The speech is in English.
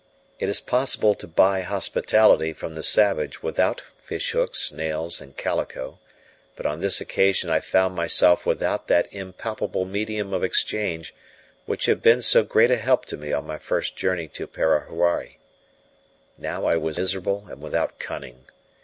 It is possible to buy hospitality from the savage without fish hooks, nails, and calico; but on this occasion I found myself without that impalpable medium of exchange which had been so great a help to me on my first journey to Parahuari. Now I was weak and miserable and without cunning.